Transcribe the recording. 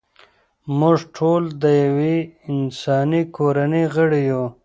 موږ ټول د یوې انساني کورنۍ غړي یو.